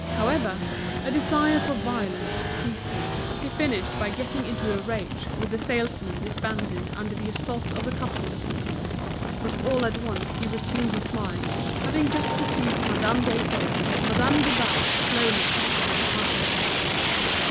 However, a desire for violence seizing him, he finished by getting into a rage with the salesmen disbanded under the assault of the customers. But all at once he resumed his smile, having just perceived Madame Desforges and Madame Guibal slowly crossing the department.